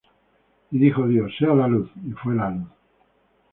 Y dijo Dios: Sea la luz: y fué la luz.